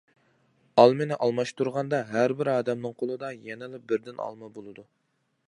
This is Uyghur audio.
ئالمىنى ئالماشتۇرغاندا ھەر بىر ئادەمنىڭ قولىدا يەنىلا بىردىن ئالما بولىدۇ.